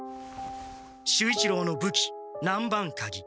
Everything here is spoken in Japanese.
守一郎の武器南蛮鉤。